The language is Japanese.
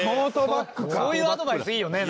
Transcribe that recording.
そういうアドバイスいいよね。